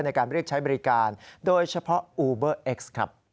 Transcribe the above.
ในการเรียกใช้บริการโดยเฉพาะอูเบอร์เอ็กซ์ครับ